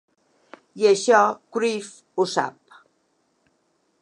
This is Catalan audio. I això Cruyff ho sap.